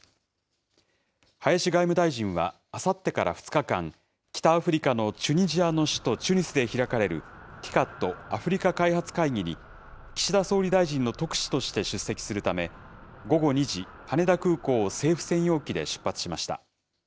林外務大臣はあさってから２日間、北アフリカのチュニジアの首都チュニスで開かれる、ＴＩＣＡＤ・アフリカ開発会議に、岸田総理大臣の特使として出席するため、午後２時、羽田空港を政府専用機で出発しました。